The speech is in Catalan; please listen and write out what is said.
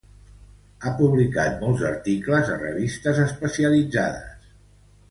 Ha publicat molts articles a revistes especialitzades.